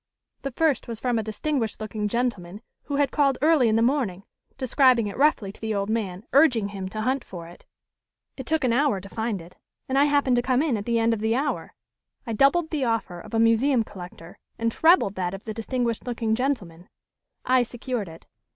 The first was from a distinguished looking gentleman who had called early in the morning, describing it roughly to the old man, urging him to hunt for it. It took an hour to find it and I happened to come in at the end of the hour. I doubled the offer of a museum collector, and trebled that of the distinguished looking gentleman. I secured it."